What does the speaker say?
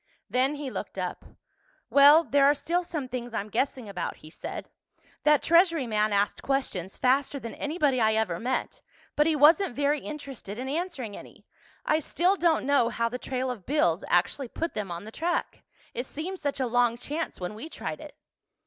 Then he looked up. "Well, there are still some things I'm guessing about," he said. "That Treasury man asked questions faster than anybody I ever met—but he wasn't very interested in answering any. I still don't know how the trail of bills actually put them on the track. It seemed such a long chance when we tried it."